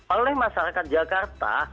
oleh masyarakat jakarta